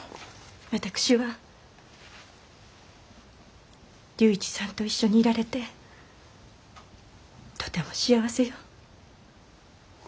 私は龍一さんと一緒にいられてとても幸せよ。